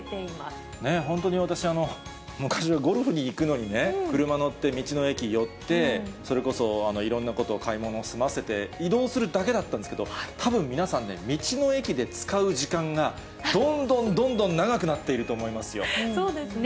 本当に私、昔、ゴルフに行くのに、車乗って、道の駅寄って、それこそ、いろんなこと、買い物を済ませて、移動するだけだったんですけど、たぶん皆さんね、道の駅で使う時間が、どんどんどんどん長くなっていると思いますそうですね。